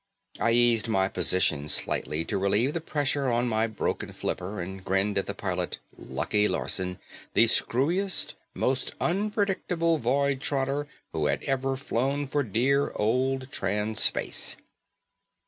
I eased my position slightly to relieve the pressure on my broken flipper and grinned at the pilot, Lucky Larson, the screwiest, most unpredictable void trotter who had ever flown for dear old Trans Space.